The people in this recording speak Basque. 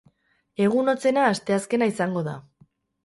Egun hotzena asteazkena izango da.